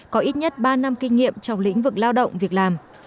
có ít nhất ba năm kinh nghiệm trong lĩnh vực lao động việc làm